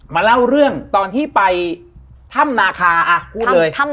มาเล่าเรื่องตอนที่ไปถ้ำนาคาพูดเลย